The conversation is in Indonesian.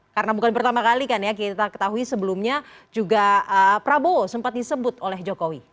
karena bukan pertama kali kan ya kita ketahui sebelumnya juga prabowo sempat disebut oleh jokowi